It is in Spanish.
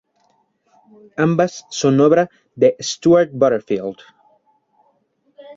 Ambas son obra de Stewart Butterfield.